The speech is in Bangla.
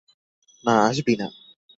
না, আসবি না।